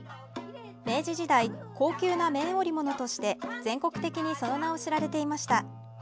明治時代、高級な綿織物として全国的にその名を知られていました。